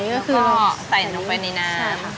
แล้วก็ใส่ลงไปในน้ำ